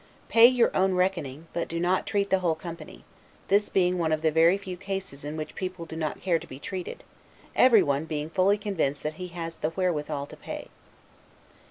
Pay your own reckoning, but do not treat the whole company; this being one of the very few cases in which people do not care to be treated, everyone being fully convinced that he has wherewithal to pay.